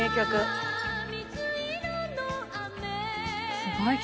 すごい曲。